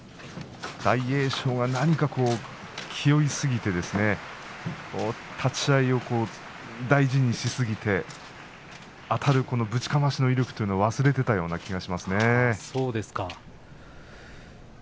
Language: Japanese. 大栄翔は、なにか気負いすぎて立ち合いを大事にしすぎてあたる、ぶちかましの威力を忘れてしまったような気がしますね。